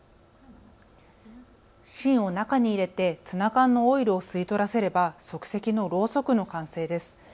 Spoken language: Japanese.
芯を中に入れてツナ缶のオイルを吸い取らせれば即席のろうそくの完成です。